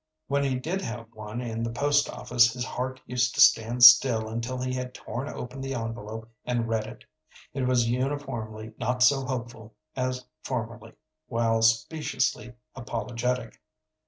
When he did have one in the post office his heart used to stand still until he had torn open the envelope and read it. It was uniformly not so hopeful as formerly, while speciously apologetic.